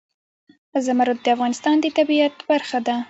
زمرد د افغانستان د طبیعت برخه ده.